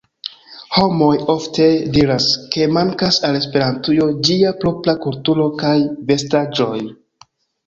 Homoj ofte diras, ke mankas al Esperantujo ĝia propra kulturo kaj vestaĵoj